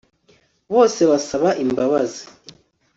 bose basaba imbabazi